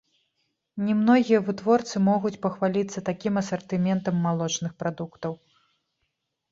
Не многія вытворцы могуць пахваліцца такім асартыментам малочных прадуктаў.